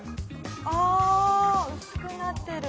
あ薄くなってる。